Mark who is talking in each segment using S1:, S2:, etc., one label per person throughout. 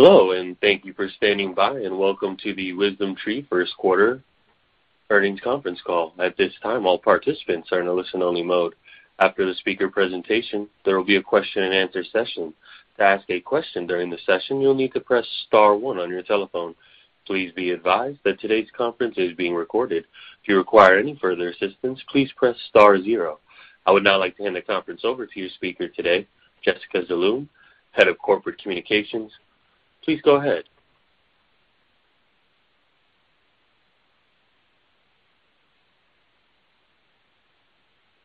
S1: Hello, and thank you for standing by, and welcome to the WisdomTree first quarter earnings conference call. At this time, all participants are in a listen-only mode. After the speaker presentation, there will be a question-and-answer session. To ask a question during the session, you'll need to press star one on your telephone. Please be advised that today's conference is being recorded. If you require any further assistance, please press star zero. I would now like to hand the conference over to your speaker today, Jessica Zaloom, Head of Corporate Communications. Please go ahead.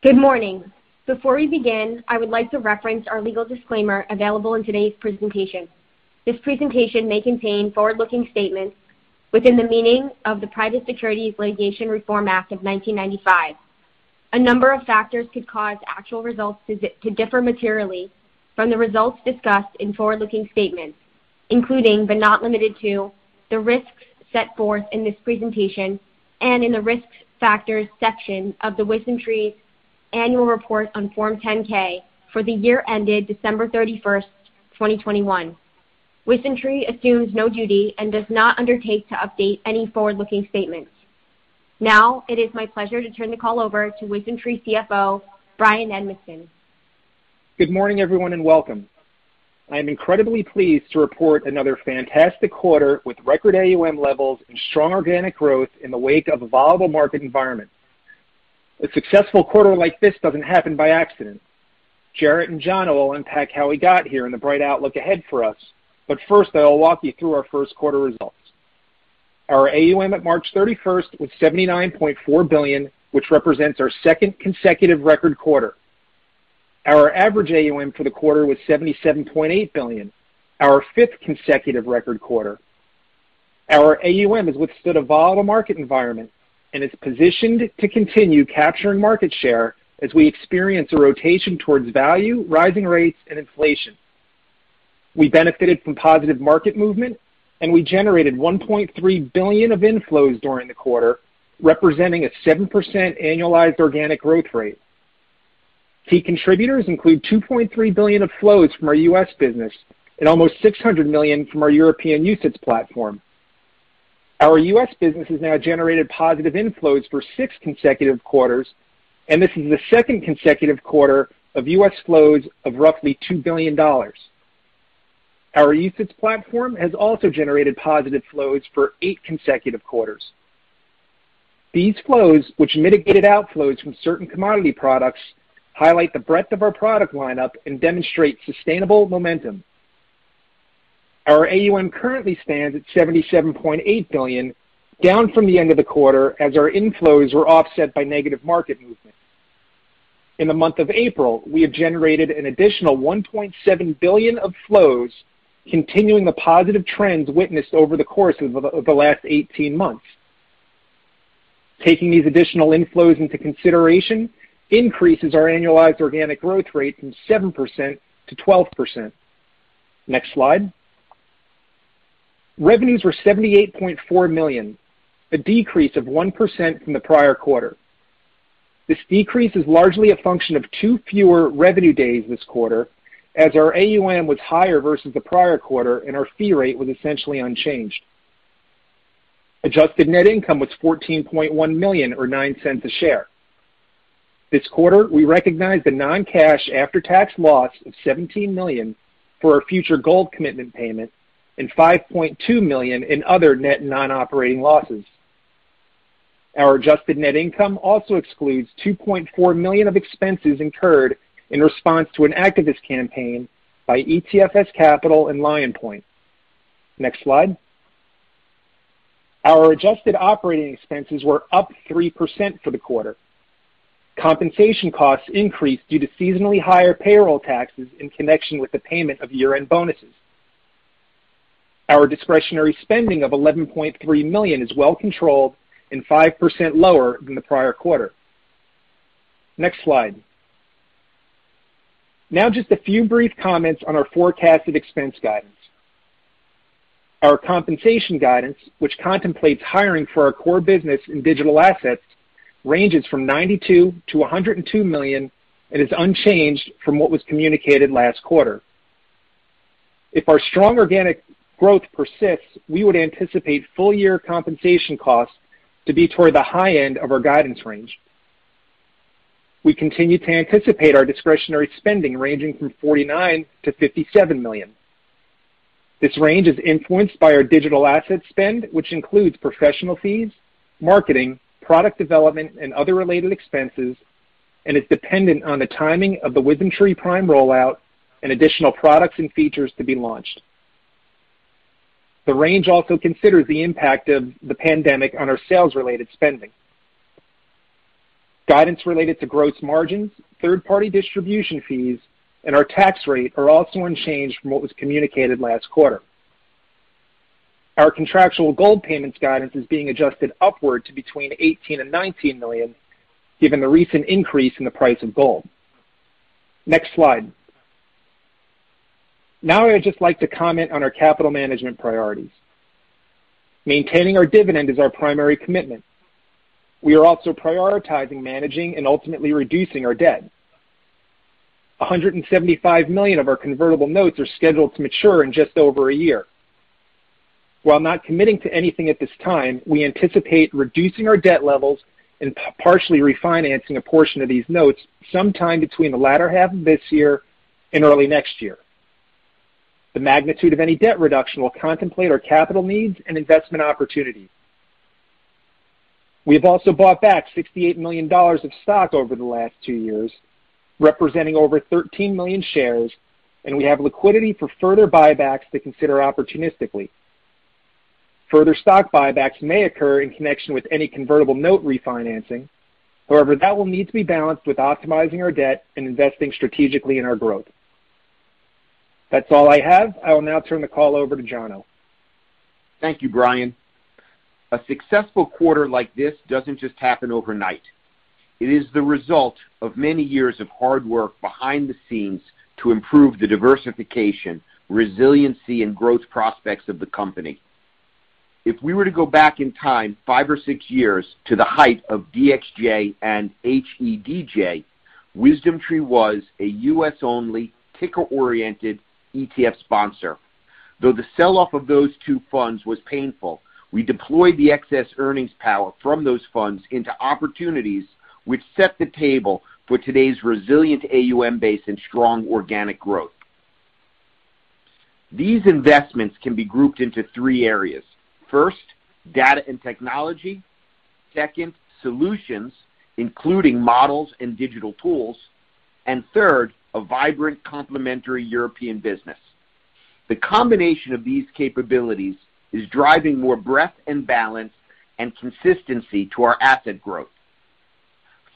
S2: Good morning. Before we begin, I would like to reference our legal disclaimer available in today's presentation. This presentation may contain forward-looking statements within the meaning of the Private Securities Litigation Reform Act of 1995. A number of factors could cause actual results to differ materially from the results discussed in forward-looking statements, including, but not limited to, the risks set forth in this presentation and in the Risk Factors section of WisdomTree's annual report on Form 10-K for the year ended December 31, 2021. WisdomTree assumes no duty and does not undertake to update any forward-looking statements. Now, it is my pleasure to turn the call over to WisdomTree CFO, Bryan Edmiston.
S3: Good morning, everyone, and welcome. I am incredibly pleased to report another fantastic quarter with record AUM levels and strong organic growth in the wake of a volatile market environment. A successful quarter like this doesn't happen by accident. Jarrett and Jono will unpack how we got here and the bright outlook ahead for us. First, I will walk you through our first quarter results. Our AUM at March 31st was $79.4 billion, which represents our second consecutive record quarter. Our average AUM for the quarter was $77.8 billion, our fifth consecutive record quarter. Our AUM has withstood a volatile market environment and is positioned to continue capturing market share as we experience a rotation towards value, rising rates, and inflation. We benefited from positive market movement, and we generated $1.3 billion of inflows during the quarter, representing a 7% annualized organic growth rate. Key contributors include $2.3 billion of flows from our U.S. business and almost $600 million from our European UCITS platform. Our U.S. business has now generated positive inflows for 6 consecutive quarters, and this is the second consecutive quarter of U.S. flows of roughly $2 billion. Our UCITS platform has also generated positive flows for 8 consecutive quarters. These flows, which mitigated outflows from certain commodity products, highlight the breadth of our product lineup and demonstrate sustainable momentum. Our AUM currently stands at $77.8 billion, down from the end of the quarter as our inflows were offset by negative market movement. In the month of April, we have generated an additional $1.7 billion of flows, continuing the positive trends witnessed over the course of the last 18 months. Taking these additional inflows into consideration increases our annualized organic growth rate from 7%-12%. Next slide. Revenues were $78.4 million, a decrease of 1% from the prior quarter. This decrease is largely a function of two fewer revenue days this quarter, as our AUM was higher versus the prior quarter, and our fee rate was essentially unchanged. Adjusted net income was $14.1 million or $0.09 a share. This quarter, we recognized a non-cash after-tax loss of $17 million for our future gold commitment payment and $5.2 million in other net non-operating losses. Our adjusted net income also excludes $2.4 million of expenses incurred in response to an activist campaign by ETFS Capital and Lion Point Capital. Next slide. Our adjusted operating expenses were up 3% for the quarter. Compensation costs increased due to seasonally higher payroll taxes in connection with the payment of year-end bonuses. Our discretionary spending of $11.3 million is well controlled and 5% lower than the prior quarter. Next slide. Now just a few brief comments on our forecasted expense guidance. Our compensation guidance, which contemplates hiring for our core business in digital assets, ranges from $92 million-$102 million and is unchanged from what was communicated last quarter. If our strong organic growth persists, we would anticipate full-year compensation costs to be toward the high end of our guidance range. We continue to anticipate our discretionary spending ranging from $49 million-$57 million. This range is influenced by our digital asset spend, which includes professional fees, marketing, product development, and other related expenses, and is dependent on the timing of the WisdomTree Prime rollout and additional products and features to be launched. The range also considers the impact of the pandemic on our sales-related spending. Guidance related to gross margins, third-party distribution fees, and our tax rate are also unchanged from what was communicated last quarter. Our contractual gold payments guidance is being adjusted upward to between $18 million and $19 million, given the recent increase in the price of gold. Next slide. Now, I'd just like to comment on our capital management priorities. Maintaining our dividend is our primary commitment. We are also prioritizing managing and ultimately reducing our debt. $175 million of our convertible notes are scheduled to mature in just over a year. While not committing to anything at this time, we anticipate reducing our debt levels and partially refinancing a portion of these notes sometime between the latter half of this year and early next year. The magnitude of any debt reduction will contemplate our capital needs and investment opportunities. We have also bought back $68 million of stock over the last two years, representing over 13 million shares, and we have liquidity for further buybacks to consider opportunistically. Further stock buybacks may occur in connection with any convertible note refinancing. However, that will need to be balanced with optimizing our debt and investing strategically in our growth. That's all I have. I will now turn the call over to Jono.
S4: Thank you, Bryan. A successful quarter like this doesn't just happen overnight. It is the result of many years of hard work behind the scenes to improve the diversification, resiliency, and growth prospects of the company. If we were to go back in time five or six years to the height of DXJ and HEDJ, WisdomTree was a U.S.-only ticker-oriented ETF sponsor. Though the sell-off of those two funds was painful, we deployed the excess earnings power from those funds into opportunities which set the table for today's resilient AUM base and strong organic growth. These investments can be grouped into three areas. First, data and technology. Second, solutions, including models and digital tools. Third, a vibrant complementary European business. The combination of these capabilities is driving more breadth and balance and consistency to our asset growth.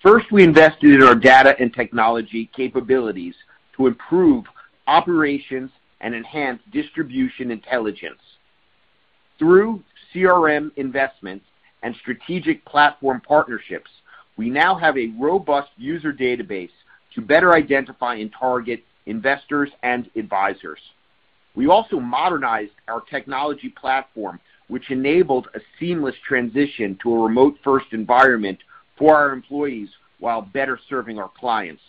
S4: First, we invested in our data and technology capabilities to improve operations and enhance distribution intelligence. Through CRM investments and strategic platform partnerships, we now have a robust user database to better identify and target investors and advisors. We also modernized our technology platform, which enabled a seamless transition to a remote-first environment for our employees while better serving our clients.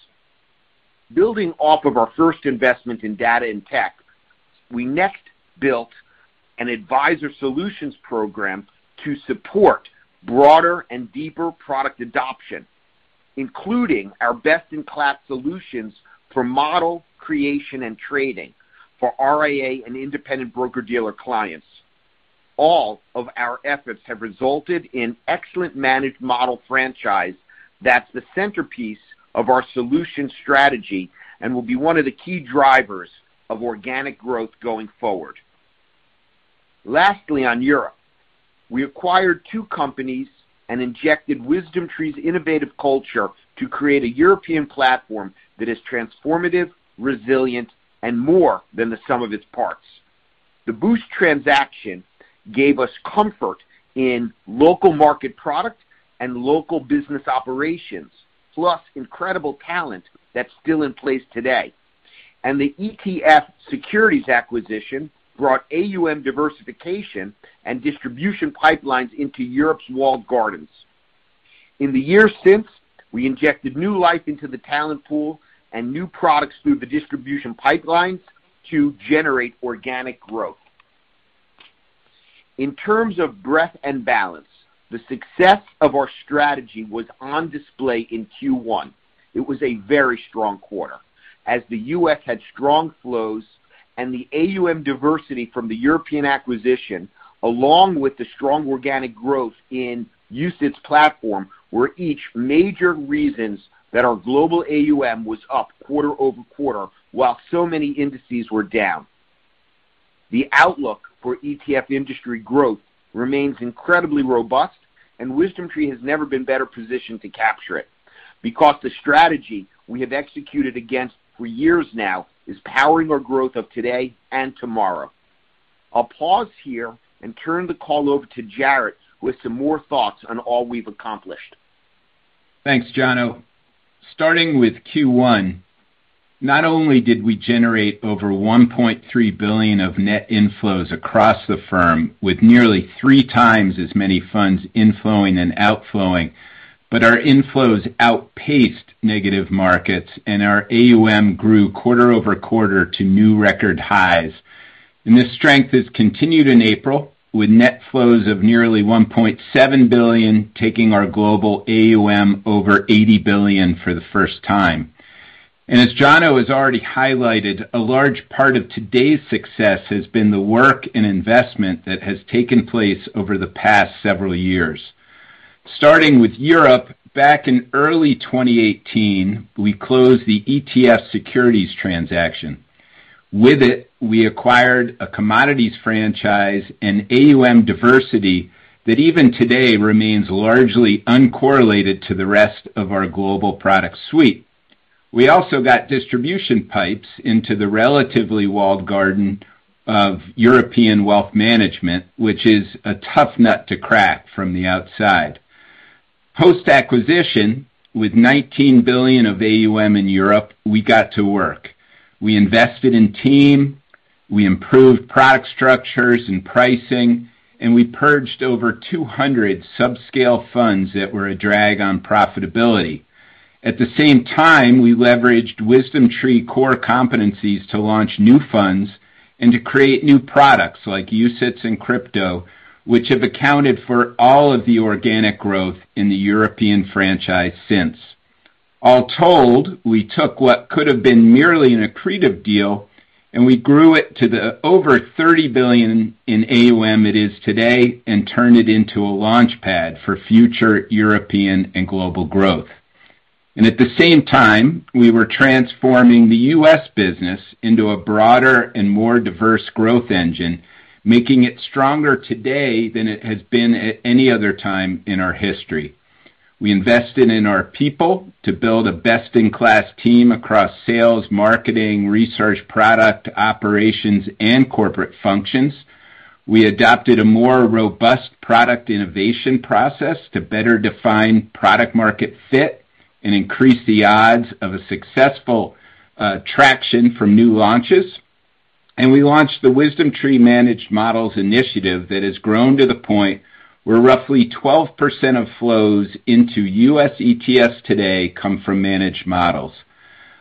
S4: Building off of our first investment in data and tech, we next built an advisor solutions program to support broader and deeper product adoption, including our best-in-class solutions for model creation and trading for RIA and independent broker-dealer clients. All of our efforts have resulted in excellent Managed Model franchise that's the centerpiece of our solution strategy and will be one of the key drivers of organic growth going forward. Lastly, on Europe, we acquired two companies and injected WisdomTree's innovative culture to create a European platform that is transformative, resilient, and more than the sum of its parts. The Boost transaction gave us comfort in local market product and local business operations, plus incredible talent that's still in place today. The ETF Securities acquisition brought AUM diversification and distribution pipelines into Europe's walled gardens. In the years since, we injected new life into the talent pool and new products through the distribution pipelines to generate organic growth. In terms of breadth and balance, the success of our strategy was on display in Q1. It was a very strong quarter, as the U.S. had strong flows and the AUM diversity from the European acquisition, along with the strong organic growth in usage platform, were each major reasons that our global AUM was up quarter-over-quarter while so many indices were down. The outlook for ETF industry growth remains incredibly robust, and WisdomTree has never been better positioned to capture it because the strategy we have executed against for years now is powering our growth of today and tomorrow. I'll pause here and turn the call over to Jarrett with some more thoughts on all we've accomplished.
S5: Thanks, Jono. Starting with Q1, not only did we generate over $1.3 billion of net inflows across the firm with nearly 3x as many funds inflowing and outflowing, but our inflows outpaced negative markets, and our AUM grew quarter-over-quarter to new record highs. This strength has continued in April with net flows of nearly $1.7 billion, taking our global AUM over $80 billion for the first time. As Jono has already highlighted, a large part of today's success has been the work and investment that has taken place over the past several years. Starting with Europe, back in early 2018, we closed the ETF Securities transaction. With it, we acquired a commodities franchise and AUM diversity that even today remains largely uncorrelated to the rest of our global product suite. We also got distribution pipes into the relatively walled garden of European wealth management, which is a tough nut to crack from the outside. Post-acquisition, with $19 billion of AUM in Europe, we got to work. We invested in team. We improved product structures and pricing, and we purged over 200 subscale funds that were a drag on profitability. At the same time, we leveraged WisdomTree core competencies to launch new funds and to create new products like UCITS and Crypto, which have accounted for all of the organic growth in the European franchise since. All told, we took what could have been merely an accretive deal, and we grew it to the over 30 billion in AUM it is today and turned it into a launchpad for future European and global growth. At the same time, we were transforming the U.S. business into a broader and more diverse growth engine, making it stronger today than it has been at any other time in our history. We invested in our people to build a best-in-class team across sales, marketing, research, product, operations, and corporate functions. We adopted a more robust product innovation process to better define product market fit and increase the odds of a successful traction from new launches. We launched the WisdomTree Managed Models initiative that has grown to the point where roughly 12% of flows into U.S. ETFs today come from Managed Models.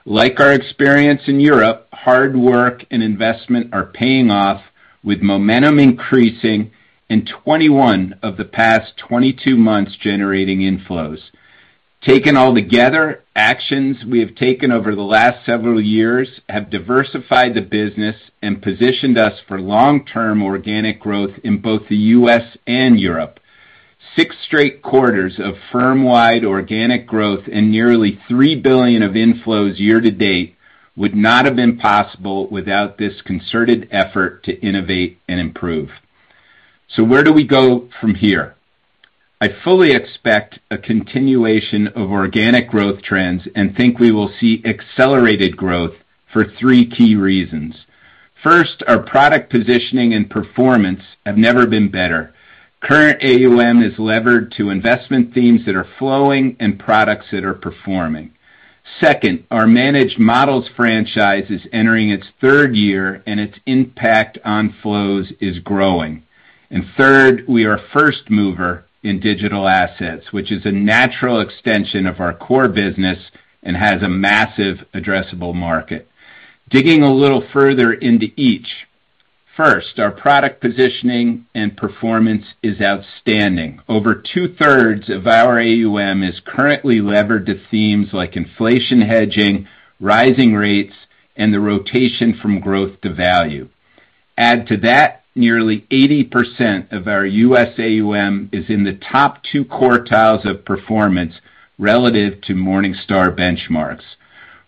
S5: Like our experience in Europe, hard work and investment are paying off, with momentum increasing and 21 of the past 22 months generating inflows. Taken all together, actions we have taken over the last several years have diversified the business and positioned us for long-term organic growth in both the U.S. and Europe. Six straight quarters of firm-wide organic growth and nearly $3 billion of inflows year to date would not have been possible without this concerted effort to innovate and improve. Where do we go from here? I fully expect a continuation of organic growth trends and think we will see accelerated growth for three key reasons. First, our product positioning and performance have never been better. Current AUM is levered to investment themes that are flowing and products that are performing. Second, our Managed Models franchise is entering its third year, and its impact on flows is growing. Third, we are first mover in digital assets, which is a natural extension of our core business and has a massive addressable market. Digging a little further into each. First, our product positioning and performance is outstanding. Over 2/3 of our AUM is currently levered to themes like inflation hedging, rising rates, and the rotation from growth to value. Add to that, nearly 80% of our U.S. AUM is in the top two quartiles of performance relative to Morningstar benchmarks.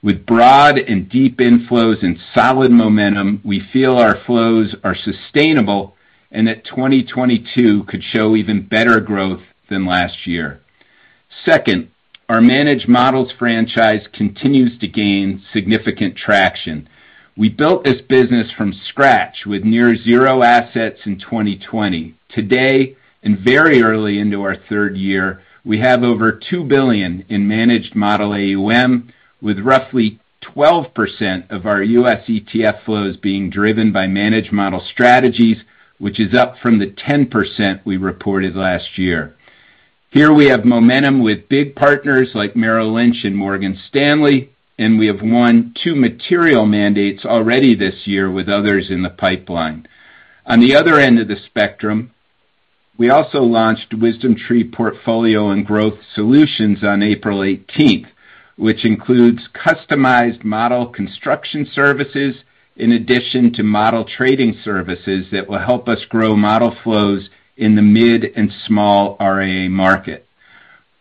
S5: With broad and deep inflows and solid momentum, we feel our flows are sustainable and that 2022 could show even better growth than last year. Second, our Managed Models franchise continues to gain significant traction. We built this business from scratch with near zero assets in 2020. Today, very early into our third year, we have over $2 billion in Managed Model AUM, with roughly 12% of our U.S. ETF flows being driven by Managed Model strategies, which is up from the 10% we reported last year. Here we have momentum with big partners like Merrill Lynch and Morgan Stanley, and we have won two material mandates already this year with others in the pipeline. On the other end of the spectrum, we also launched WisdomTree Portfolio and Growth Solutions on April 18th, which includes customized model construction services in addition to model trading services that will help us grow model flows in the mid and small RIA market.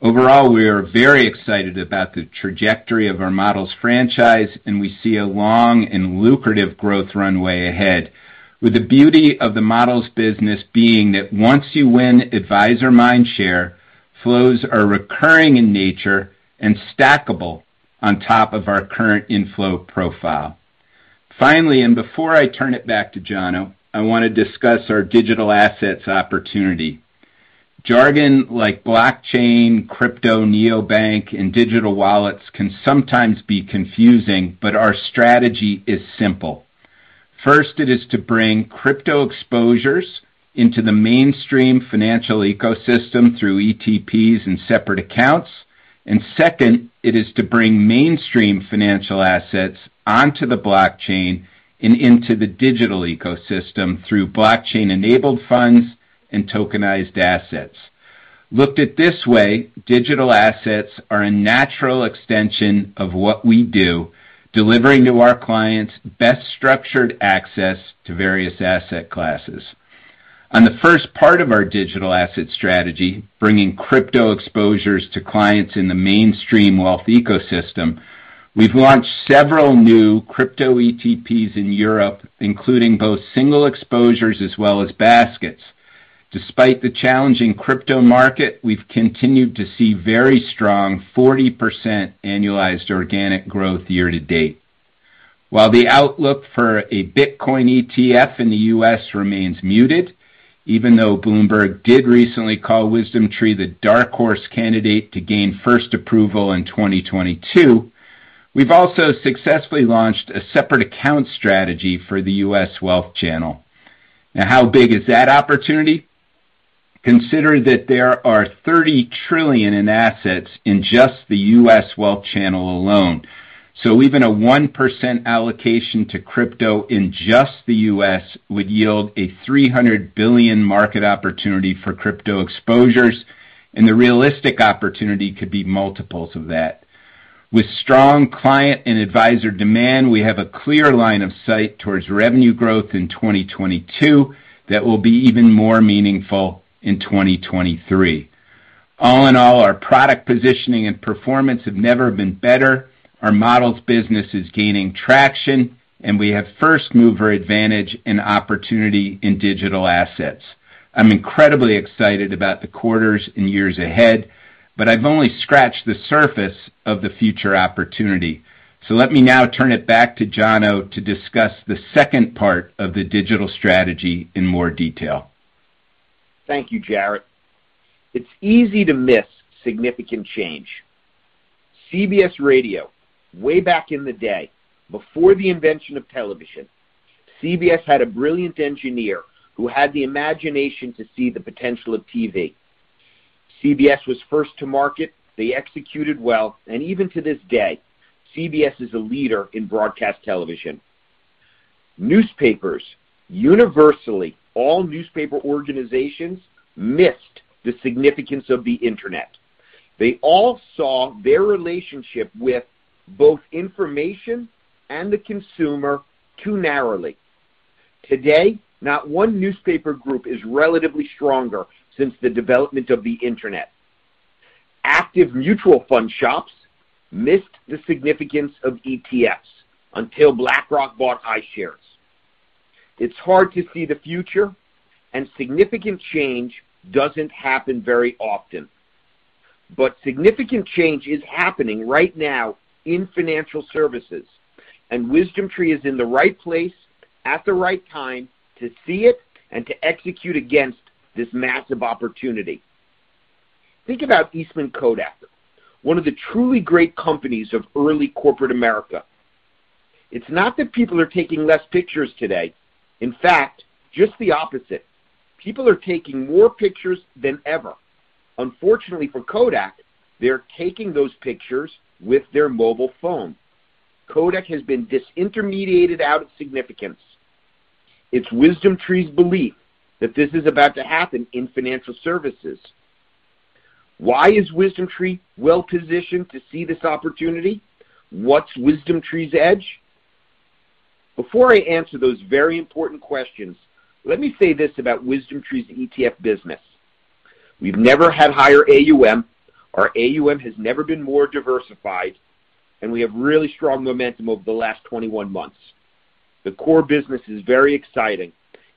S5: Overall, we are very excited about the trajectory of our Models franchise, and we see a long and lucrative growth runway ahead, with the beauty of the Models business being that once you win advisor mindshare, flows are recurring in nature and stackable on top of our current inflow profile. Finally, and before I turn it back to Jono, I want to discuss our digital assets opportunity. Jargon like blockchain, crypto, neobank, and digital wallets can sometimes be confusing, but our strategy is simple. First, it is to bring crypto exposures into the mainstream financial ecosystem through ETPs and separate accounts. Second, it is to bring mainstream financial assets onto the blockchain and into the digital ecosystem through blockchain-enabled funds and tokenized assets. Looked at this way, digital assets are a natural extension of what we do, delivering to our clients best structured access to various asset classes. On the first part of our digital asset strategy, bringing crypto exposures to clients in the mainstream wealth ecosystem, we've launched several new crypto ETPs in Europe, including both single exposures as well as baskets. Despite the challenging crypto market, we've continued to see very strong 40% annualized organic growth year to date. While the outlook for a Bitcoin ETF in the U.S. remains muted. Even though Bloomberg did recently call WisdomTree the dark horse candidate to gain first approval in 2022, we've also successfully launched a separate account strategy for the U.S. wealth channel. Now, how big is that opportunity? Consider that there are $30 trillion in assets in just the U.S. wealth channel alone. Even a 1% allocation to crypto in just the U.S. would yield a $300 billion market opportunity for crypto exposures, and the realistic opportunity could be multiples of that. With strong client and advisor demand, we have a clear line of sight towards revenue growth in 2022 that will be even more meaningful in 2023. All in all, our product positioning and performance have never been better. Our models business is gaining traction, and we have first mover advantage and opportunity in digital assets. I'm incredibly excited about the quarters and years ahead, but I've only scratched the surface of the future opportunity. Let me now turn it back to Jono to discuss the second part of the digital strategy in more detail.
S4: Thank you, Jarrett. It's easy to miss significant change. CBS Radio, way back in the day before the invention of television, CBS had a brilliant engineer who had the imagination to see the potential of TV. CBS was first to market. They executed well, and even to this day, CBS is a leader in broadcast television. Newspapers, universally, all newspaper organizations missed the significance of the Internet. They all saw their relationship with both information and the consumer too narrowly. Today, not one newspaper group is relatively stronger since the development of the Internet. Active mutual fund shops missed the significance of ETFs until BlackRock bought iShares. It's hard to see the future, and significant change doesn't happen very often. Significant change is happening right now in financial services, and WisdomTree is in the right place at the right time to see it and to execute against this massive opportunity. Think about Eastman Kodak, one of the truly great companies of early corporate America. It's not that people are taking less pictures today. In fact, just the opposite. People are taking more pictures than ever. Unfortunately for Kodak, they're taking those pictures with their mobile phone. Kodak has been disintermediated out of significance. It's WisdomTree's belief that this is about to happen in financial services. Why is WisdomTree well-positioned to see this opportunity? What's WisdomTree's edge? Before I answer those very important questions, let me say this about WisdomTree's ETF business. We've never had higher AUM. Our AUM has never been more diversified, and we have really strong momentum over the last 21 months. The core business is very exciting.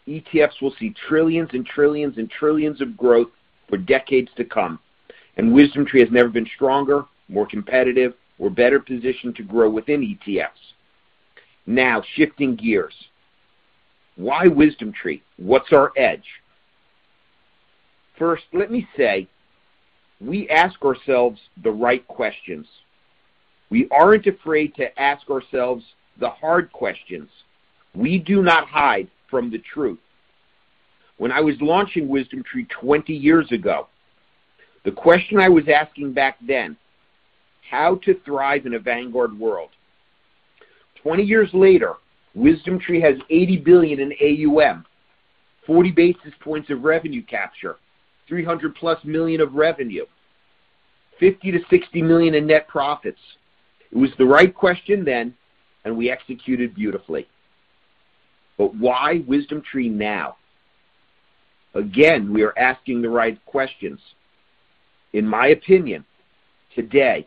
S4: ETFs will see trillions and trillions and trillions of growth for decades to come, and WisdomTree has never been stronger, more competitive, or better positioned to grow within ETFs. Now, shifting gears. Why WisdomTree? What's our edge? First, let me say we ask ourselves the right questions. We aren't afraid to ask ourselves the hard questions. We do not hide from the truth. When I was launching WisdomTree 20 years ago, the question I was asking back then, how to thrive in a Vanguard world. 20 years later, WisdomTree has $80 billion in AUM, 40 basis points of revenue capture, $300+ million of revenue, $50 million-$60 million in net profits. It was the right question then, and we executed beautifully. Why WisdomTree now? Again, we are asking the right questions. In my opinion, today,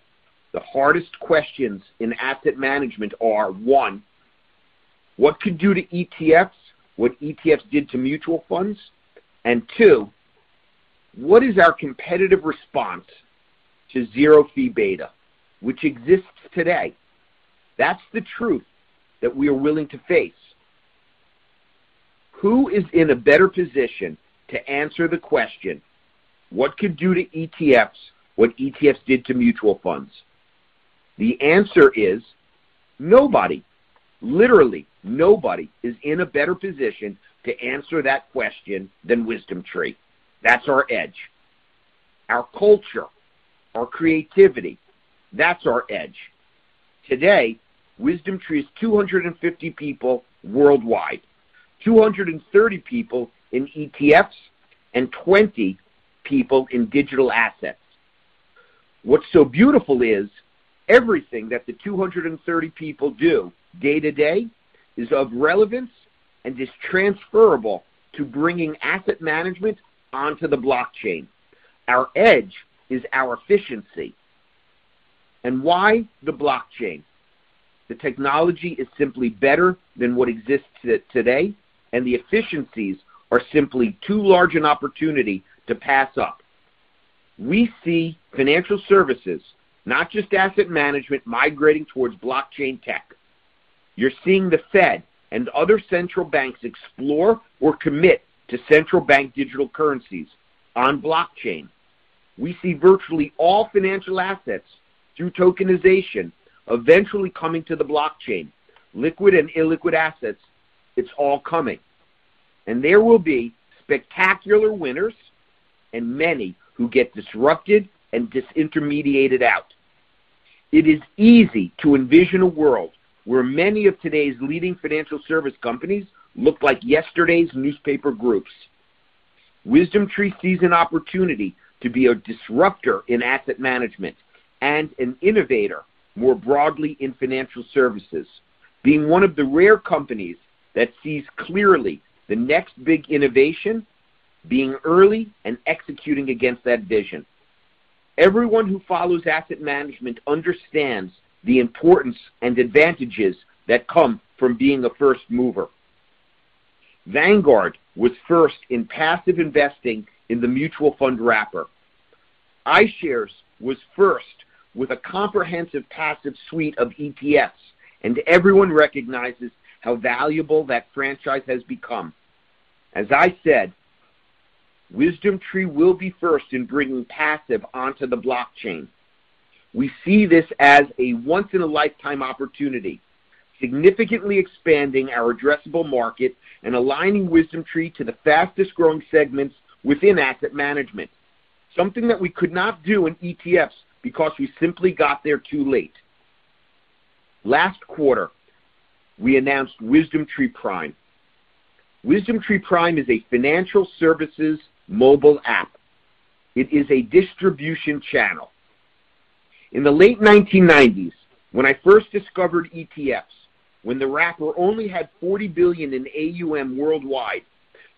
S4: the hardest questions in asset management are, one, what could do to ETFs what ETFs did to mutual funds? Two, what is our competitive response to zero fee beta, which exists today? That's the truth that we are willing to face. Who is in a better position to answer the question, what could do to ETFs what ETFs did to mutual funds? The answer is nobody. Literally nobody is in a better position to answer that question than WisdomTree. That's our edge, our culture, our creativity. That's our edge. Today, WisdomTree is 250 people worldwide, 230 people in ETFs, and 20 people in digital assets. What's so beautiful is everything that the 230 people do day to day is of relevance and is transferable to bringing asset management onto the blockchain. Our edge is our efficiency. Why the blockchain? The technology is simply better than what exists today, and the efficiencies are simply too large an opportunity to pass up. We see financial services, not just asset management, migrating towards blockchain tech. You're seeing the Fed and other central banks explore or commit to central bank digital currencies on blockchain. We see virtually all financial assets through tokenization eventually coming to the blockchain. Liquid and illiquid assets, it's all coming. There will be spectacular winners and many who get disrupted and disintermediated out. It is easy to envision a world where many of today's leading financial service companies look like yesterday's newspaper groups. WisdomTree sees an opportunity to be a disruptor in asset management and an innovator more broadly in financial services, being one of the rare companies that sees clearly the next big innovation being early and executing against that vision. Everyone who follows asset management understands the importance and advantages that come from being a first mover. Vanguard was first in passive investing in the mutual fund wrapper. iShares was first with a comprehensive passive suite of ETFs, and everyone recognizes how valuable that franchise has become. As I said, WisdomTree will be first in bringing passive onto the blockchain. We see this as a once-in-a-lifetime opportunity, significantly expanding our addressable market and aligning WisdomTree to the fastest-growing segments within asset management, something that we could not do in ETFs because we simply got there too late. Last quarter, we announced WisdomTree Prime. WisdomTree Prime is a financial services mobile app. It is a distribution channel. In the late 1990s, when I first discovered ETFs, when the wrapper only had $40 billion in AUM worldwide,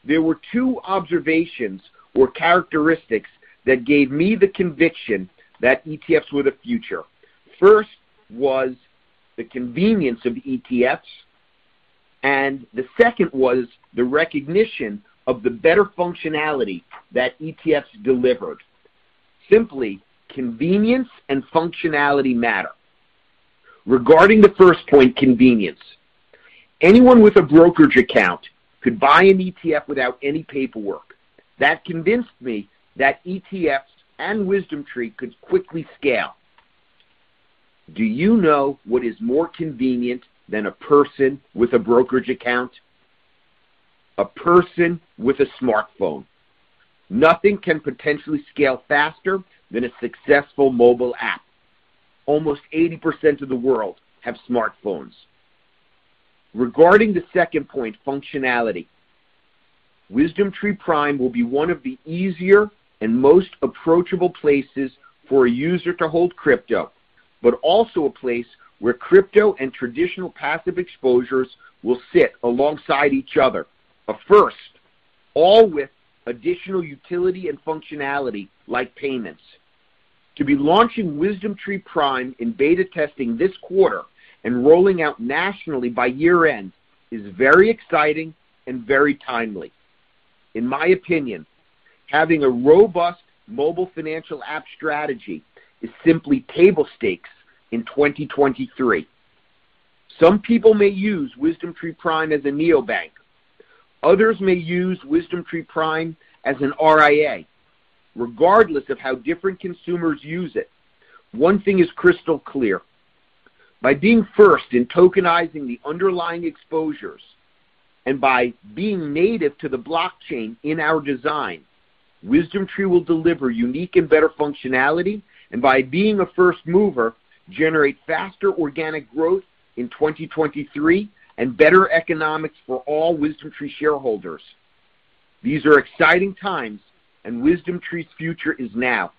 S4: there were two observations or characteristics that gave me the conviction that ETFs were the future. First was the convenience of ETFs, and the second was the recognition of the better functionality that ETFs delivered. Simply, convenience and functionality matter. Regarding the first point, convenience, anyone with a brokerage account could buy an ETF without any paperwork. That convinced me that ETFs and WisdomTree could quickly scale. Do you know what is more convenient than a person with a brokerage account? A person with a smartphone. Nothing can potentially scale faster than a successful mobile app. Almost 80% of the world have smartphones. Regarding the second point, functionality, WisdomTree Prime will be one of the easier and most approachable places for a user to hold crypto, but also a place where crypto and traditional passive exposures will sit alongside each other. A first, all with additional utility and functionality like payments. To be launching WisdomTree Prime in beta testing this quarter and rolling out nationally by year-end is very exciting and very timely. In my opinion, having a robust mobile financial app strategy is simply table stakes in 2023. Some people may use WisdomTree Prime as a neobank. Others may use WisdomTree Prime as an RIA. Regardless of how different consumers use it, one thing is crystal clear. By being first in tokenizing the underlying exposures and by being native to the blockchain in our design, WisdomTree will deliver unique and better functionality, and by being a first mover, generate faster organic growth in 2023 and better economics for all WisdomTree shareholders. These are exciting times, and WisdomTree's future is now.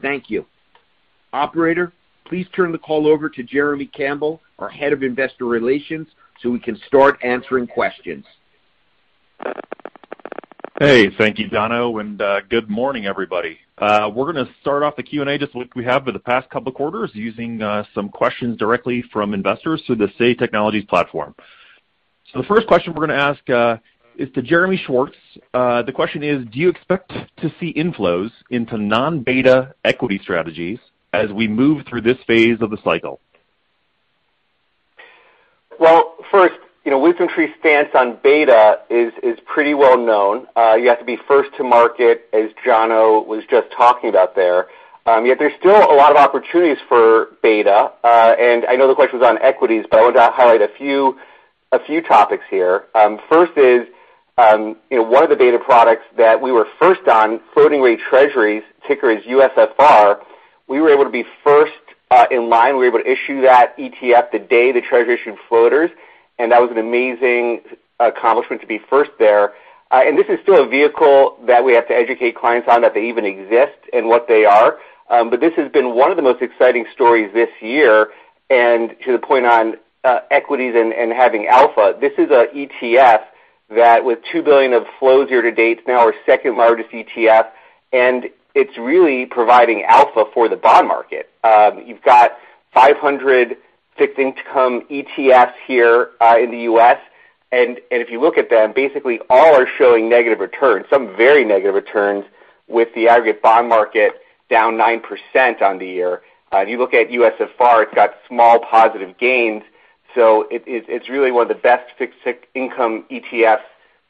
S4: Thank you. Operator, please turn the call over to Jeremy Campbell, our head of investor relations, so we can start answering questions.
S1: Hey. Thank you, Jono, and good morning, everybody. We're gonna start off the Q&A just like we have for the past couple of quarters, using some questions directly from investors through the Say Technologies platform. The first question we're gonna ask is to Jeremy Schwartz. The question is, do you expect to see inflows into non-beta equity strategies as we move through this phase of the cycle?
S6: Well, first, you know, WisdomTree's stance on beta is pretty well known. You have to be first to market, as Jono was just talking about there. Yet there's still a lot of opportunities for beta. I know the question was on equities, but I want to highlight a few topics here. First is, you know, one of the beta products that we were first on, floating rate treasuries, ticker is USFR, we were able to be first in line. We were able to issue that ETF the day the Treasury issued floaters, and that was an amazing accomplishment to be first there. This is still a vehicle that we have to educate clients on, that they even exist and what they are. This has been one of the most exciting stories this year. To the point on equities and having alpha, this is an ETF that with $2 billion of flows year to date, now our second largest ETF, and it's really providing alpha for the bond market. You've got 500 fixed income ETFs here in the US. If you look at them, basically all are showing negative returns, some very negative returns, with the aggregate bond market down 9% on the year. If you look at USFR, it's got small positive gains, so it's really one of the best fixed income ETFs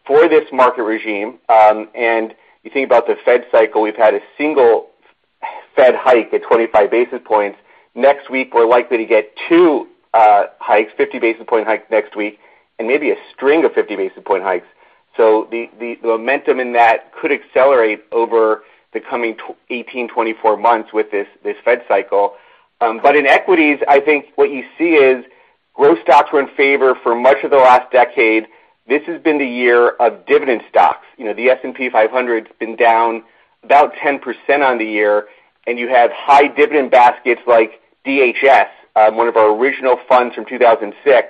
S6: for this market regime. You think about the Fed cycle, we've had a single Fed hike at 25 basis points. Next week, we're likely to get two hikes, 50 basis point hike next week, and maybe a string of 50 basis point hikes. The momentum in that could accelerate over the coming eighteen, twenty-four months with this Fed cycle. But in equities, I think what you see is growth stocks were in favor for much of the last decade. This has been the year of dividend stocks. You know, the S&P 500's been down about 10% on the year, and you have high dividend baskets like DHS, one of our original funds from 2006,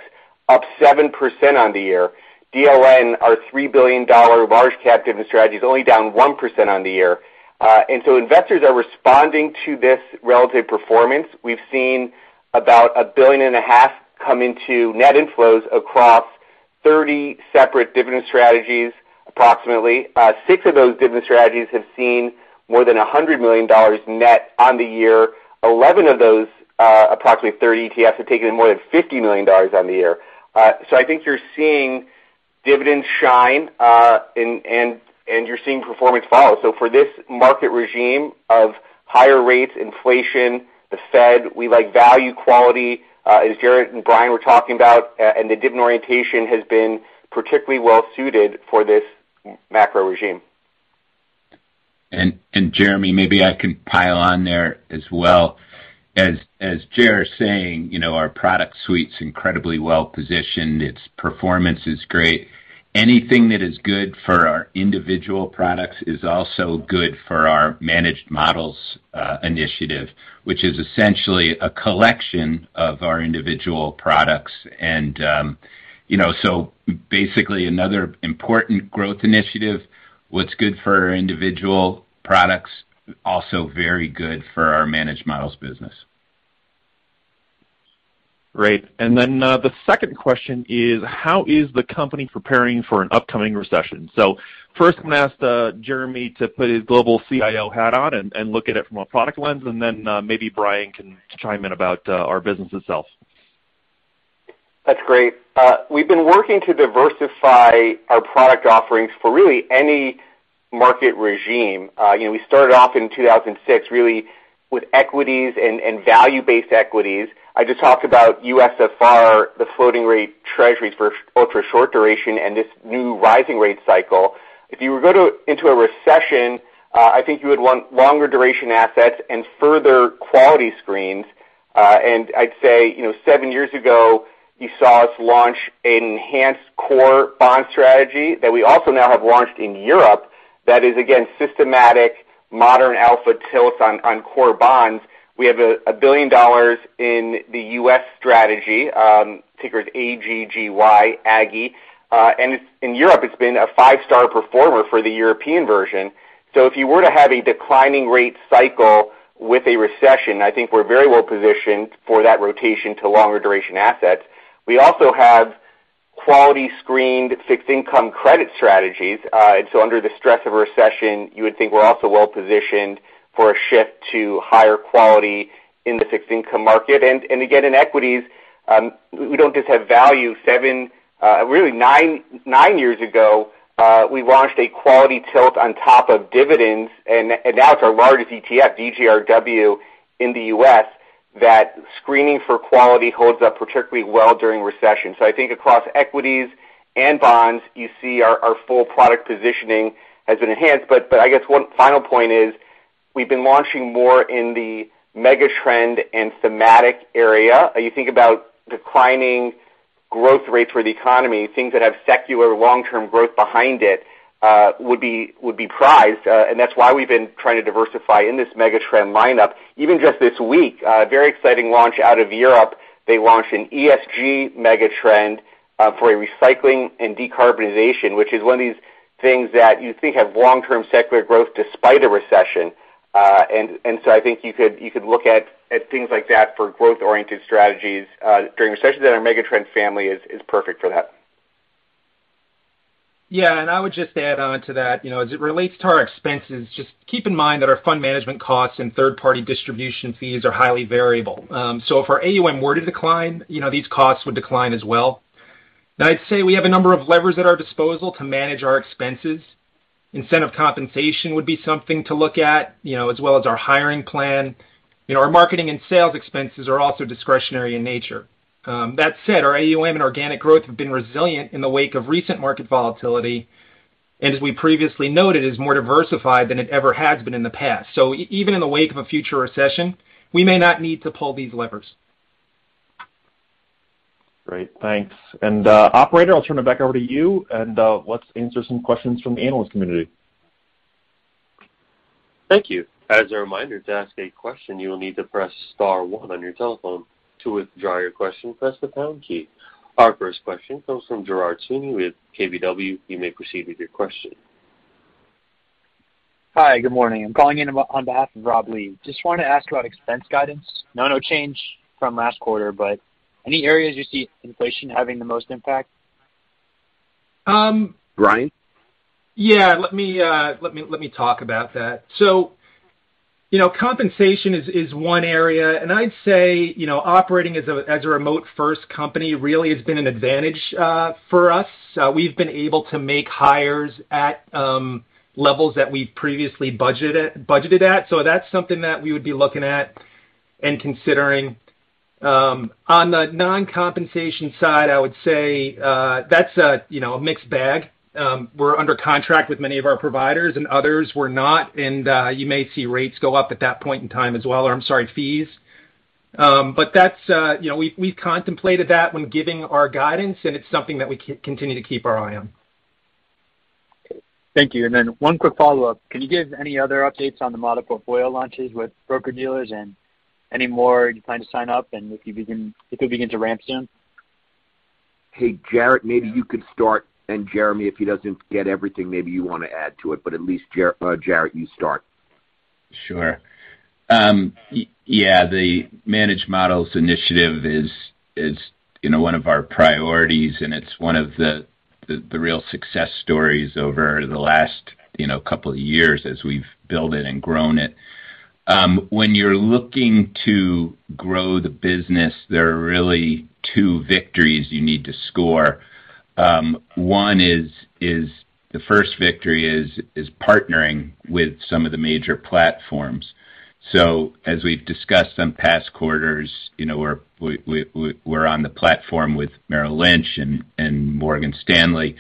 S6: up 7% on the year. DLN, our $3 billion large cap dividend strategy is only down 1% on the year. Investors are responding to this relative performance. We've seen about $1.5 billion come into net inflows across 30 separate dividend strategies, approximately. Six of those dividend strategies have seen more than $100 million net on the year. Eleven of those, approximately 30 ETFs, have taken in more than $50 million on the year. I think you're seeing dividends shine, and you're seeing performance follow. For this market regime of higher rates, inflation, the Fed, we like value quality, as Jarrett and Bryan were talking about, and the dividend orientation has been particularly well suited for this macro regime.
S5: Jeremy, maybe I can pile on there as well. As Jer's saying, you know, our product suite's incredibly well-positioned. Its performance is great. Anything that is good for our individual products is also good for our Managed Models initiative, which is essentially a collection of our individual products. You know, so basically another important growth initiative. What's good for our individual products, also very good for our Managed Models business.
S7: Great. The second question is, how is the company preparing for an upcoming recession? First I'm gonna ask, Jeremy to put his global CIO hat on and look at it from a product lens, and then, maybe Bryan can chime in about, our business itself.
S6: That's great. We've been working to diversify our product offerings for really any market regime. You know, we started off in 2006, really with equities and value-based equities. I just talked about USFR, the floating rate treasuries for ultra short duration and this new rising rate cycle. If you were to go into a recession, I think you would want longer duration assets and further quality screens. I'd say, you know, seven years ago, you saw us launch an enhanced core bond strategy that we also now have launched in Europe that is, again, systematic, modern alpha tilt on core bonds. We have $1 billion in the US strategy, ticker's AGGY, Aggie. In Europe, it's been a five-star performer for the European version. If you were to have a declining rate cycle with a recession, I think we're very well positioned for that rotation to longer duration assets. We also have quality screened fixed income credit strategies. Under the stress of a recession, you would think we're also well positioned for a shift to higher quality in the fixed income market. In equities, we don't just have value. Seven, really nine years ago, we launched a quality tilt on top of dividends, and now it's our largest ETF, DGRW, in the U.S., that screening for quality holds up particularly well during recessions. I think across equities and bonds, you see our full product positioning has been enhanced. I guess one final point is we've been launching more in the mega trend and thematic area. You think about declining growth rates for the economy, things that have secular long-term growth behind it would be prized, and that's why we've been trying to diversify in this megatrend lineup. Even just this week, a very exciting launch out of Europe. They launched an ESG megatrend for recycling and decarbonization, which is one of these things that you think have long-term secular growth despite a recession. I think you could look at things like that for growth-oriented strategies during recessions, and our megatrend family is perfect for that.
S3: Yeah, I would just add on to that, you know, as it relates to our expenses, just keep in mind that our fund management costs and third-party distribution fees are highly variable. So if our AUM were to decline, you know, these costs would decline as well. I'd say we have a number of levers at our disposal to manage our expenses. Incentive compensation would be something to look at, you know, as well as our hiring plan. You know, our marketing and sales expenses are also discretionary in nature. That said, our AUM and organic growth have been resilient in the wake of recent market volatility, and as we previously noted, is more diversified than it ever has been in the past. Even in the wake of a future recession, we may not need to pull these levers.
S7: Great. Thanks. Operator, I'll turn it back over to you, and, let's answer some questions from the analyst community.
S1: Thank you. As a reminder, to ask a question, you will need to press star one on your telephone. To withdraw your question, press the pound key. Our first question comes from Girard Sweeney with KBW. You may proceed with your question.
S8: Hi, good morning. I'm calling in on behalf of Rob Lee. Just wanted to ask about expense guidance. No change from last quarter, but any areas you see inflation having the most impact?
S4: Bryan?
S3: Yeah. Let me talk about that. You know, compensation is one area, and I'd say, you know, operating as a remote first company really has been an advantage for us. We've been able to make hires at levels that we previously budgeted at. That's something that we would be looking at and considering. On the non-compensation side, I would say, that's a, you know, a mixed bag. We're under contract with many of our providers and others we're not. You may see rates go up at that point in time as well, or I'm sorry, fees. That's, you know, we've contemplated that when giving our guidance, and it's something that we continue to keep our eye on.
S8: Thank you. One quick follow-up. Can you give any other updates on the model portfolio launches with broker-dealers? Any more you plan to sign up, and if you'll begin to ramp soon?
S4: Hey, Jarrett, maybe you could start, and Jeremy, if he doesn't get everything, maybe you wanna add to it, but at least, Jarrett, you start.
S5: Sure. Yeah, the Managed Models initiative is, you know, one of our priorities, and it's one of the real success stories over the last, you know, couple of years as we've built it and grown it. When you're looking to grow the business, there are really two victories you need to score. One is the first victory is partnering with some of the major platforms. As we've discussed on past quarters, you know, we're on the platform with Merrill Lynch and Morgan Stanley,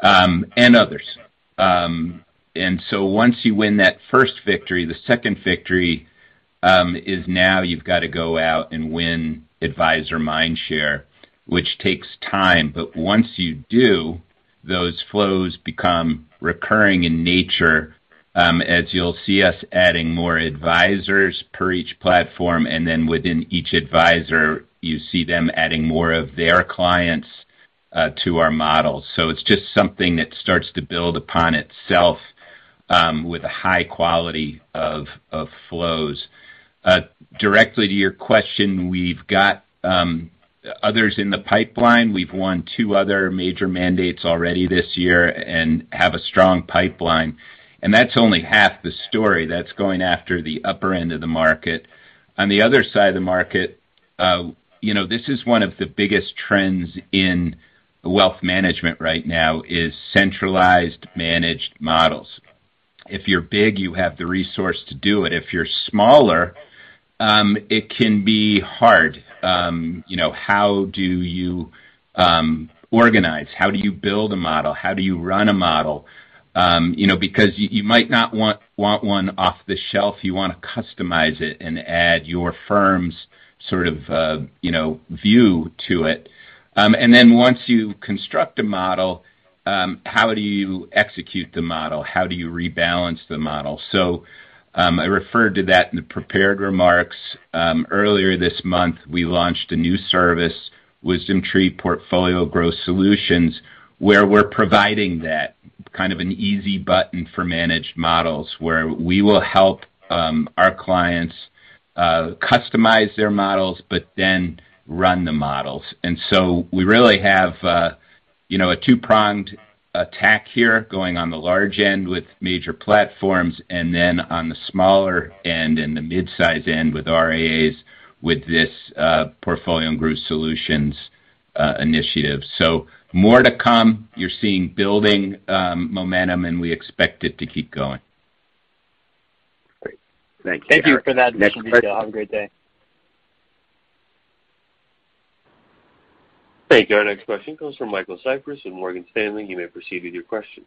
S5: and others. Once you win that first victory, the second victory is now you've got to go out and win advisor mind share, which takes time. Once you do, those flows become recurring in nature, as you'll see us adding more advisors per each platform, and then within each advisor, you see them adding more of their clients to our models. It's just something that starts to build upon itself, with a high quality of flows. Directly to your question, we've got others in the pipeline. We've won two other major mandates already this year and have a strong pipeline, and that's only half the story. That's going after the upper end of the market. On the other side of the market, you know, this is one of the biggest trends in wealth management right now is centralized Managed Models. If you're big, you have the resource to do it. If you're smaller, it can be hard. You know, how do you organize? How do you build a model? How do you run a model? You know, because you might not want one off the shelf. You wanna customize it and add your firm's sort of, you know, view to it. Once you construct a model, how do you execute the model? How do you rebalance the model? I referred to that in the prepared remarks. Earlier this month, we launched a new service, WisdomTree Portfolio and Growth Solutions, where we're providing that, kind of an easy button for Managed Models, where we will help our clients customize their models but then run the models. We really have, you know, a two-pronged attack here going on the large end with major platforms, and then on the smaller end and the mid-size end with RIAs, with this Portfolio and Growth Solutions initiative. More to come. You're seeing building momentum, and we expect it to keep going.
S4: Great. Thank you.
S8: Thank you for that.
S4: Next question.
S8: Have a great day.
S1: Thank you. Our next question comes from Michael Cyprys with Morgan Stanley. You may proceed with your question.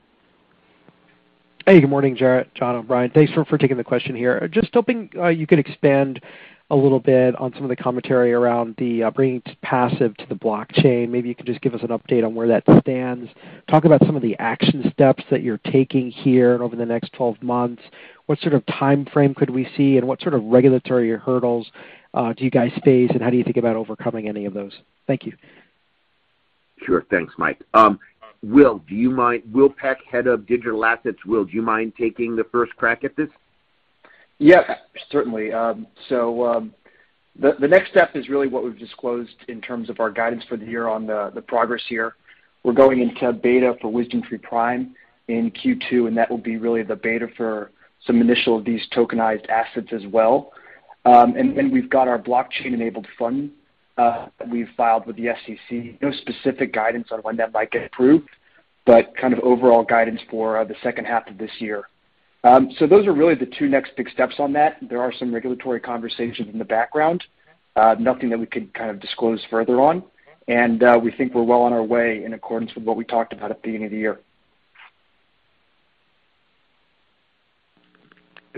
S9: Hey, good morning, Jarrett, Jonathan, and Bryan. Thanks for taking the question here. Just hoping you could expand a little bit on some of the commentary around the bringing passive to the blockchain. Maybe you could just give us an update on where that stands. Talk about some of the action steps that you're taking here and over the next 12 months. What sort of timeframe could we see, and what sort of regulatory hurdles do you guys face, and how do you think about overcoming any of those? Thank you.
S4: Sure. Thanks, Mike. Will Peck, Head of Digital Assets. Will, do you mind taking the first crack at this?
S10: Yes, certainly. The next step is really what we've disclosed in terms of our guidance for the year on the progress here. We're going into beta for WisdomTree Prime in Q2, and that will be really the beta for some initial of these tokenized assets as well. We've got our blockchain-enabled fund that we've filed with the SEC. No specific guidance on when that might get approved, but kind of overall guidance for the second half of this year. Those are really the two next big steps on that. There are some regulatory conversations in the background, nothing that we could kind of disclose further on. We think we're well on our way in accordance with what we talked about at the beginning of the year.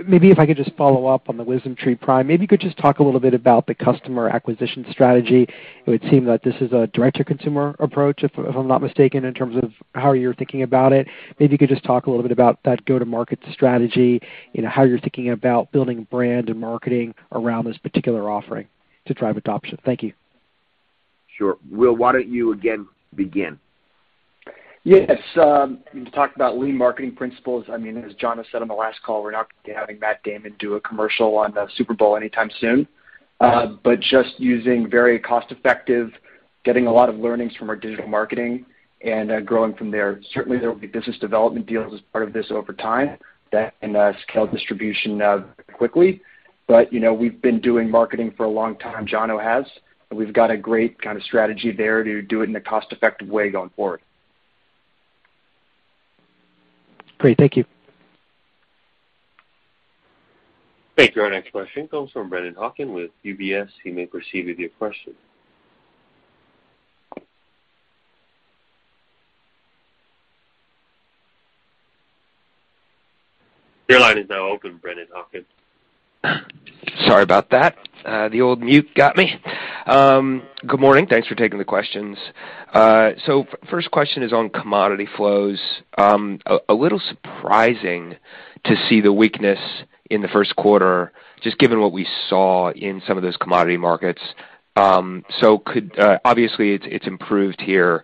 S9: Maybe if I could just follow up on the WisdomTree Prime. Maybe you could just talk a little bit about the customer acquisition strategy. It would seem that this is a direct-to-consumer approach, if I'm not mistaken, in terms of how you're thinking about it. Maybe you could just talk a little bit about that go-to-market strategy, you know, how you're thinking about building brand and marketing around this particular offering to drive adoption. Thank you.
S4: Sure. Will, why don't you again begin?
S10: Yes, to talk about lean marketing principles, I mean, as Jono has said on the last call, we're not gonna be having Matt Damon do a commercial on the Super Bowl anytime soon. Just using very cost-effective, getting a lot of learnings from our digital marketing and, growing from there. Certainly, there will be business development deals as part of this over time that can scale distribution quickly. You know, we've been doing marketing for a long time, Jono has. We've got a great kind of strategy there to do it in a cost-effective way going forward.
S9: Great. Thank you.
S1: Thank you. Our next question comes from Brennan Hawken with UBS. You may proceed with your question. Your line is now open, Brennan Hawken.
S11: Sorry about that. The old mute got me. Good morning. Thanks for taking the questions. First question is on commodity flows. A little surprising to see the weakness in the first quarter, just given what we saw in some of those commodity markets. Obviously it's improved year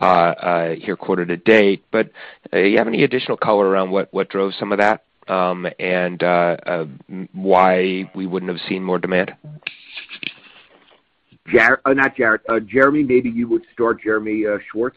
S11: to date. You have any additional color around what drove some of that, and why we wouldn't have seen more demand?
S4: Jeremy, maybe you would start, Jeremy Schwartz.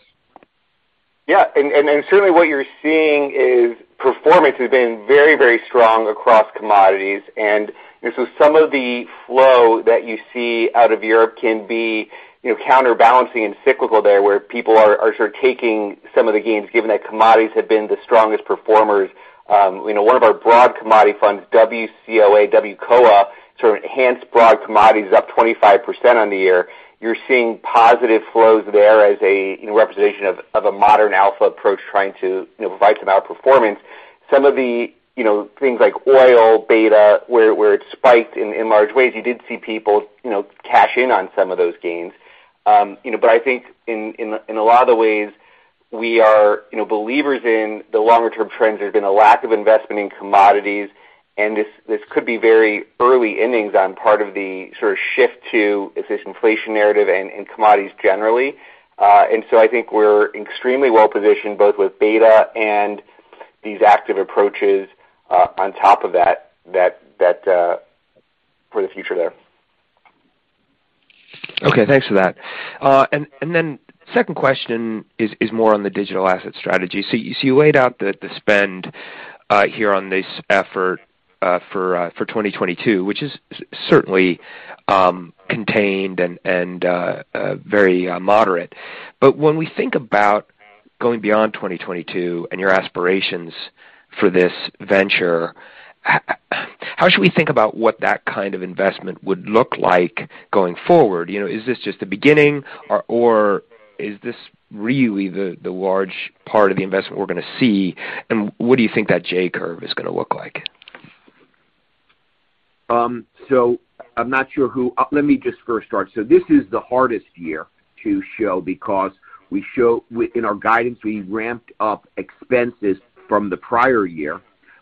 S6: Yeah. Certainly what you're seeing is performance has been very, very strong across commodities. You know, some of the flow that you see out of Europe can be, you know, counterbalancing and cyclical there, where people are sort of taking some of the gains given that commodities have been the strongest performers. You know, one of our broad commodity funds, WCOA, sort of enhanced broad commodities up 25% on the year. You're seeing positive flows there as a, you know, representation of a modern alpha approach trying to, you know, provide some outperformance. Some of the, you know, things like oil, beta, where it spiked in large ways, you did see people, you know, cash in on some of those gains. You know, I think in a lot of the ways, we are, you know, believers in the longer term trends. There's been a lack of investment in commodities, and this could be very early innings on part of the sort of shift to this inflation narrative and commodities generally. I think we're extremely well-positioned both with beta and these active approaches, on top of that, for the future there.
S11: Okay. Thanks for that. Second question is more on the digital asset strategy. You laid out the spend here on this effort for 2022, which is certainly contained and very moderate. When we think about going beyond 2022 and your aspirations for this venture, how should we think about what that kind of investment would look like going forward? You know, is this just the beginning or is this really the large part of the investment we're gonna see? What do you think that J curve is gonna look like?
S4: This is the hardest year to show because in our guidance, we ramped up expenses from the prior year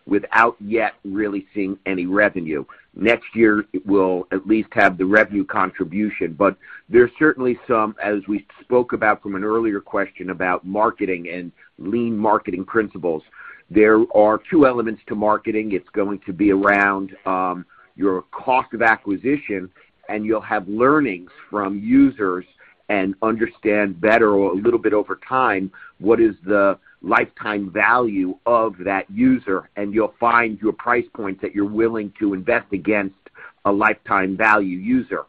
S4: without yet really seeing any revenue. Next year, we'll at least have the revenue contribution. There's certainly some, as we spoke about from an earlier question about marketing and lean marketing principles. There are two elements to marketing. It's going to be around your cost of acquisition, and you'll have learnings from users and understand better or a little bit over time what is the lifetime value of that user, and you'll find your price points that you're willing to invest against a lifetime value user.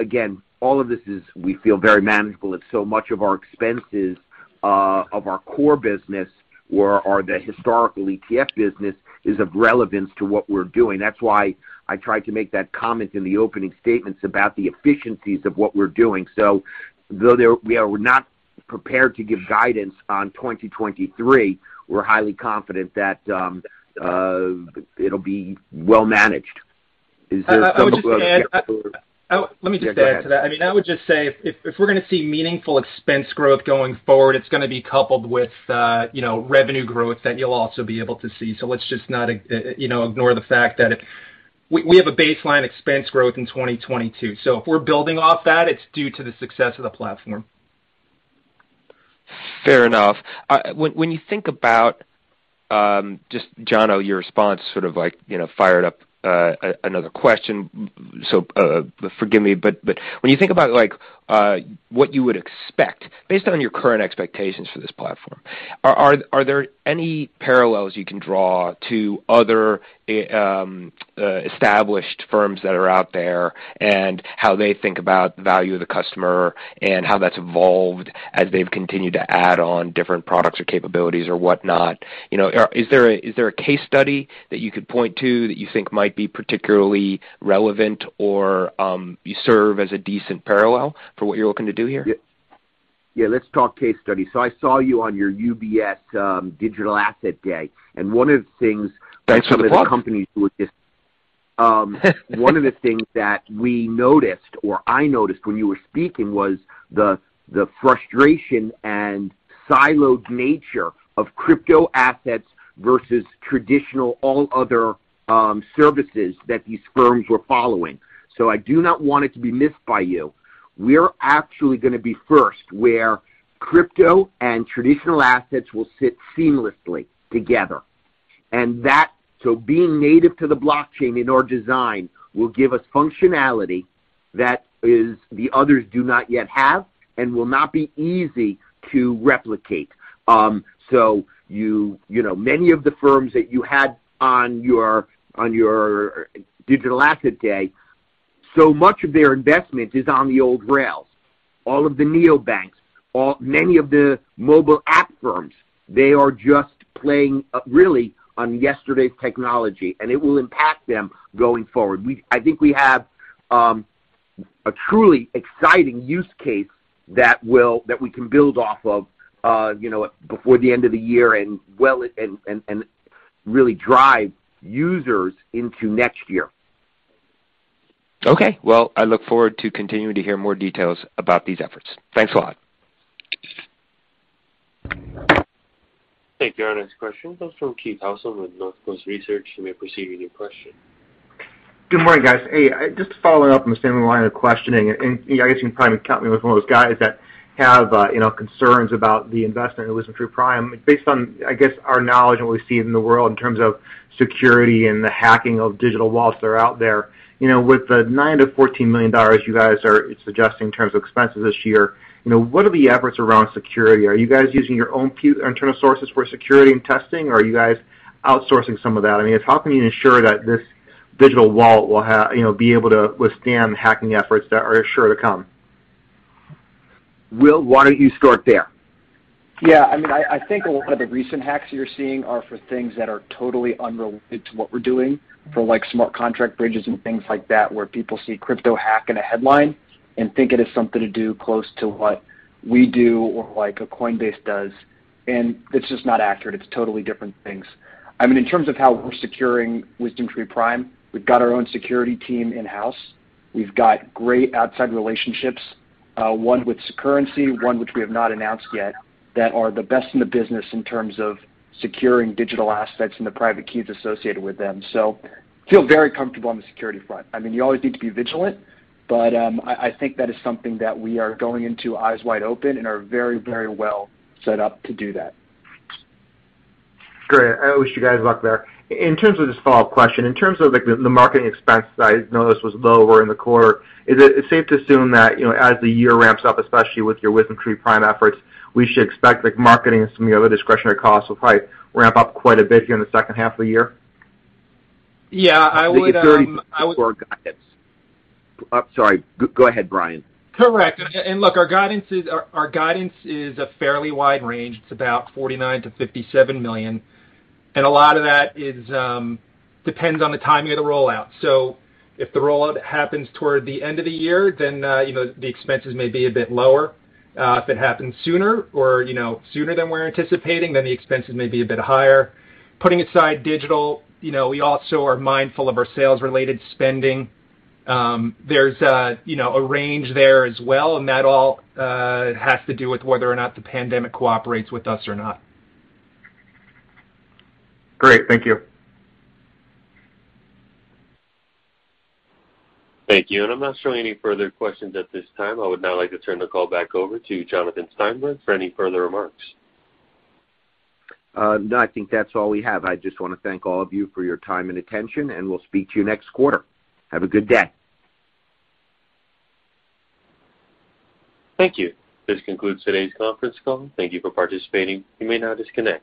S4: Again, all of this is, we feel, very manageable. If so much of our expenses, of our core business or the historical ETF business is of relevance to what we're doing. That's why I tried to make that comment in the opening statements about the efficiencies of what we're doing. Though we are not prepared to give guidance on 2023, we're highly confident that it'll be well managed. Is there some-
S3: Let me just add to that.
S4: Yeah, go ahead.
S3: I mean, I would just say if we're gonna see meaningful expense growth going forward, it's gonna be coupled with, you know, revenue growth that you'll also be able to see. Let's just not, you know, ignore the fact that we have a baseline expense growth in 2022. If we're building off that, it's due to the success of the platform.
S11: Fair enough. When you think about just Jono, your response sort of like, you know, fired up another question, so forgive me, but when you think about like what you would expect based on your current expectations for this platform, are there any parallels you can draw to other established firms that are out there and how they think about the value of the customer and how that's evolved as they've continued to add on different products or capabilities or whatnot? You know, is there a case study that you could point to that you think might be particularly relevant or serve as a decent parallel for what you're looking to do here?
S4: Yeah. Yeah, let's talk case study. I saw you on your UBS Digital Asset Day, and one of the things-
S11: Thanks for the plug.
S4: One of the things that we noticed, or I noticed when you were speaking was the frustration and siloed nature of crypto assets versus traditional all other services that these firms were following. I do not want it to be missed by you. We are actually going to be first where crypto and traditional assets will sit seamlessly together. Being native to the blockchain in our design will give us functionality that the others do not yet have and will not be easy to replicate. You know, many of the firms that you had on your digital asset day, so much of their investment is on the old rails, all of the neobanks, many of the mobile app firms, they are just playing really on yesterday's technology, and it will impact them going forward. I think we have a truly exciting use case that we can build off of, you know, before the end of the year and really drive users into next year.
S11: Okay. Well, I look forward to continuing to hear more details about these efforts. Thanks a lot.
S1: Thank you. Our next question comes from Keith Housum with Northcoast Research. You may proceed with your question.
S12: Good morning, guys. Hey, just to follow up on the same line of questioning, you know, I guess you can probably count me with one of those guys that have, you know, concerns about the investment in WisdomTree Prime. Based on, I guess, our knowledge and what we see in the world in terms of security and the hacking of digital wallets that are out there, you know, with the $9 million-$14 million you guys are suggesting in terms of expenses this year, you know, what are the efforts around security? Are you guys using your own internal sources for security and testing, or are you guys outsourcing some of that? I mean, how can you ensure that this digital wallet will, you know, be able to withstand hacking efforts that are sure to come?
S4: Will, why don't you start there?
S10: Yeah. I mean, I think a lot of the recent hacks you're seeing are for things that are totally unrelated to what we're doing, for like smart contract bridges and things like that, where people see crypto hack in a headline and think it has something to do close to what we do or like a Coinbase does. It's just not accurate. It's totally different things. I mean, in terms of how we're securing WisdomTree Prime, we've got our own security team in-house. We've got great outside relationships, one with Curv, one which we have not announced yet, that are the best in the business in terms of securing digital assets and the private keys associated with them. Feel very comfortable on the security front. I mean, you always need to be vigilant, but I think that is something that we are going into eyes wide open and are very, very well set up to do that.
S12: Great. I wish you guys luck there. In terms of this follow-up question, in terms of, like, the marketing expense that I noticed was lower in the quarter, is it safe to assume that, you know, as the year ramps up, especially with your WisdomTree Prime efforts, we should expect, like, marketing and some of the other discretionary costs will probably ramp up quite a bit here in the second half of the year?
S3: Yeah. I would,
S4: I think it's already guidance. I'm sorry. Go ahead, Bryan.
S3: Correct. Look, our guidance is a fairly wide range. It's about $49 million-$57 million, and a lot of that depends on the timing of the rollout. If the rollout happens toward the end of the year, then, you know, the expenses may be a bit lower. If it happens sooner than we're anticipating, then the expenses may be a bit higher. Putting aside digital, you know, we also are mindful of our sales-related spending. There's, you know, a range there as well, and that all has to do with whether or not the pandemic cooperates with us or not.
S12: Great. Thank you.
S1: Thank you. I'm not showing any further questions at this time. I would now like to turn the call back over to Jonathan Steinberg for any further remarks.
S4: No, I think that's all we have. I just wanna thank all of you for your time and attention, and we'll speak to you next quarter. Have a good day.
S1: Thank you. This concludes today's conference call. Thank you for participating. You may now disconnect.